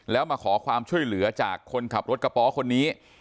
แล้วมาขอความช่วยเหลือจากคนขับรถกระป๋อคนนี้